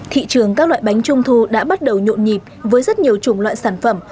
thị trường các loại bánh trung thu đã bắt đầu nhộn nhịp với rất nhiều chủng loại sản phẩm